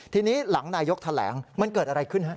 ทีนี้หลังนายกแถลงมันเกิดอะไรขึ้นฮะ